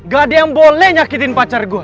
gak ada yang boleh nyakitin pacar gue